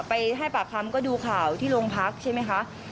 ไปให้ปากคำก็ดูข่าวที่โรงพักใช่ไหมคะ